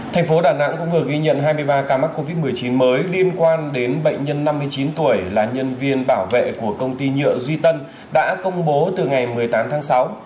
thành phố đà nẵng cũng vừa ghi nhận hai mươi ba ca mắc covid một mươi chín mới liên quan đến bệnh nhân năm mươi chín tuổi là nhân viên bảo vệ của công ty nhựa duy tân đã công bố từ ngày một mươi tám tháng sáu